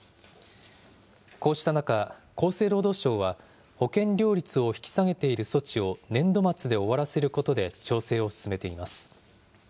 こうした中、厚生労働省は、保険料率を引き下げている措置を年度末で終わらせることで調整を進めています。